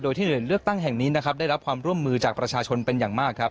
โดยที่เหลือเลือกตั้งแห่งนี้นะครับได้รับความร่วมมือจากประชาชนเป็นอย่างมากครับ